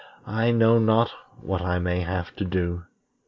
I know not what I may have to do.